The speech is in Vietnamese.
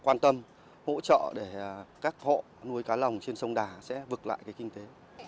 quan tâm hỗ trợ để các hộ nuôi cá lồng trên sông đà sẽ vực lại kinh tế